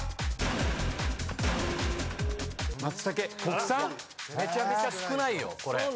国産⁉めちゃめちゃ少ないよこれ。